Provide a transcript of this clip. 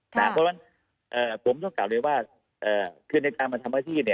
เพราะว่าผมต้องกลับเลยว่าคือในการบรรษมะที่